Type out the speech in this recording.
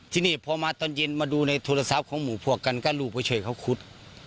ที่นี่พอมาตอนเย็นมาดูในโทรศัพท์ของหมู่พวกกันก็ลูกไปช่วยเขาคุด